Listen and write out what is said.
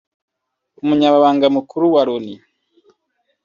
Umunyamabanga mukuru wa Loni